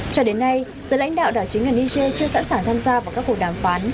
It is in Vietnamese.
cho đến nay giữa lãnh đạo đảo chính ở niger chưa sẵn sàng tham gia vào các cuộc đàm phán